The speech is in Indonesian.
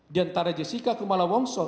diantara jessica kumala wongso